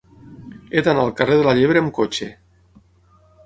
He d'anar al carrer de la Llebre amb cotxe.